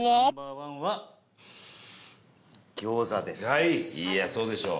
飯尾：いや、そうでしょう。